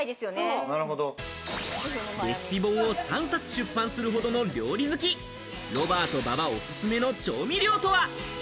レシピ本を３冊出版するほどの料理好き、ロバート・馬場おすすめの調味料とは？